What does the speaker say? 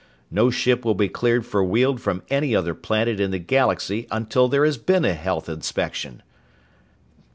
"No ship will be cleared for Weald from any other planet in the galaxy until there has been a health inspection!